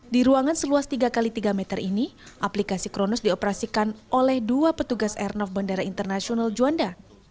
di ruangan seluas tiga x tiga meter ini aplikasi kronos dioperasikan oleh dua petugas airnav bandara internasional juanda